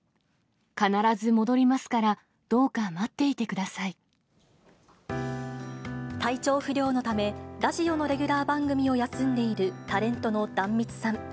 必ず戻りますから、どうか待って体調不良のため、ラジオのレギュラー番組を休んでいるタレントの壇蜜さん。